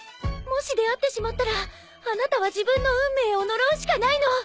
もし出会ってしまったらあなたは自分の運命を呪うしかないの！